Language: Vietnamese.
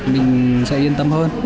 mình sẽ yên tâm hơn